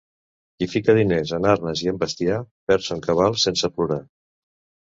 Qui fica diners en arnes i en bestiar, perd son cabal sense plorar.